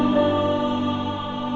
terus berutangku sayang